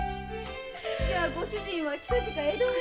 じゃあご主人は近々江戸へ？